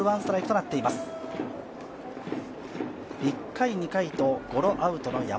１回、２回とゴロアウトの山。